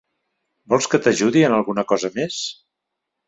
Vols que t'ajudi en alguna cosa més?